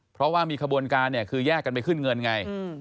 เพราะว่ามีขบวนการเนี่ยคือแยกกันไปขึ้นเงินไง